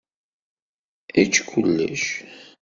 Ečč kullec.